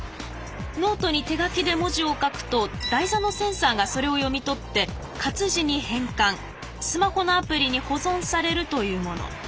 ノートに手書きで文字を書くと台座のセンサーがそれを読み取って活字に変換スマホのアプリに保存されるというもの。